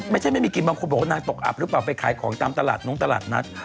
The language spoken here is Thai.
ไม่มีกินบางคนบอกว่านางตกอับหรือเปล่าไปขายของตามตลาดน้องตลาดนัด